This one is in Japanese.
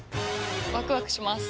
ワクワクします。